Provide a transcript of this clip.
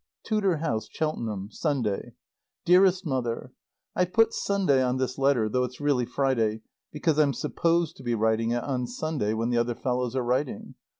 TUDOR HOUSE. CHELTENHAM, Sunday. DEAREST MOTHER: I've put Sunday on this letter, though it's really Friday, because I'm supposed to be writing it on Sunday when the other fellows are writing.